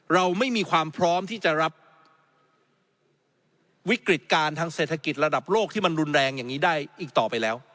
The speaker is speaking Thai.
เราไม่มีความพร้อมที่จะรับวิกฤติการทางเศรษฐกิจระดับโลกที่มันรุนแรงอย่างนี้ได้อีกต่อไปแล้ว